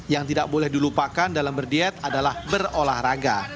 yang tidak boleh dilupakan dalam berdiet adalah berolahraga